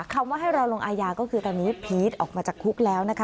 คำว่าให้รอลงอายาก็คือตอนนี้พีชออกมาจากคุกแล้วนะคะ